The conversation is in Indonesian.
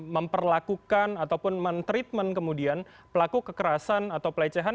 memperlakukan ataupun mentreatment kemudian pelaku kekerasan atau pelecehan